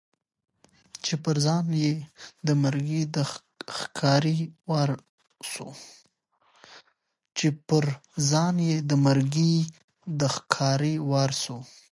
چي پر ځان یې د مرګي د ښکاري وار سو